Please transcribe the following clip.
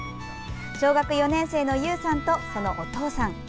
小学４年生のゆうさんとそのお父さん。